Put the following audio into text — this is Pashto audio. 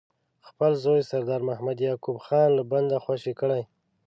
خپل زوی سردار محمد یعقوب خان له بنده خوشي کړي.